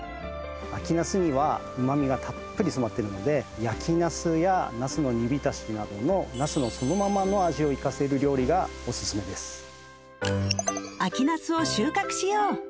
秋なすには旨味がたっぷりつまっているので焼きなすやなすの煮浸しなどのなすのそのままの味を生かせる料理がおすすめです秋なすを収穫しよう！